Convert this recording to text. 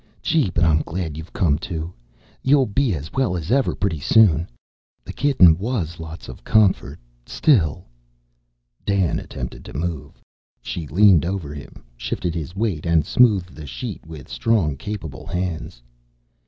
"Gee, but I'm glad you've come to! You'll be as well as ever, pretty soon. The kitten was lots of comfort. Still " Dan attempted to move. She leaned over him, shifted his weight and smoothed the sheet with strong, capable hinds.